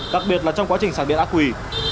đặc biệt là trong quá trình xả điện ác quỳ